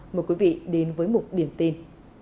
mời quý vị đến với mục điểm tin